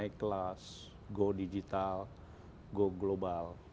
naik kelas go digital go global